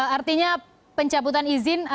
artinya pencabutan izin